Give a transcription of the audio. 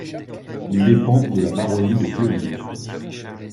Il dépend de la baronnie de Cleuville.